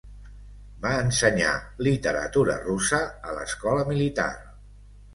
Va ensenyar literatura russa a l'Escola Militar.